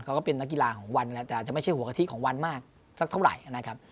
ก็เป็นนักกีฬาของวันแล้วแต่อาจจะไม่ใช่หัวกะทิของวันมากสักเท่าไหร่นะครับ